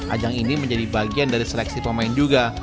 ajang ini menjadi bagian dari seleksi pemain juga